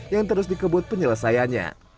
yang terus dikebut penyelesaiannya